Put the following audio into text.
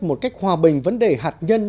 một cách hòa bình vấn đề hạt nhân